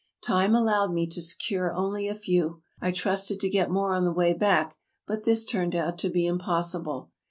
Time allowed me to secure only a few; I trusted to get more on the way back, but this turned out to be impossible.